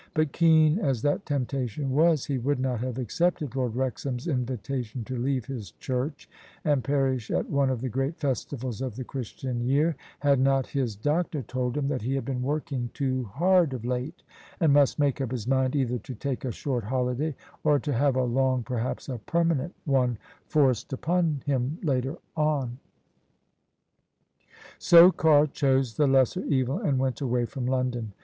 But keen as the temptation was, he would not have accepted Lord Wrexham's invitation to leave his church and parish at one of the great festivals of the Christian year, had not his doctor told him that he had been working too hard of late and must make up his mind either to take a short holiday, or to have a long — ^perhaps a permanent— one forced upon OF ISABEL CARNABY him later on. So Carr chose the lesser evil, and went away from London.